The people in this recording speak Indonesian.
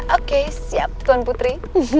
oke siap tuan putri